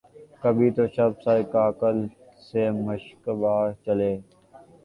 کبھی تو شب سر کاکل سے مشکبار چلے